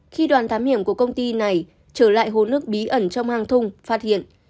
khi đoàn thám hiểm của công ty này trở lại hồ nước bí ẩn trong hang thung phát hiện